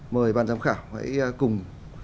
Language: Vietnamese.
mời ban giám khảo hãy cùng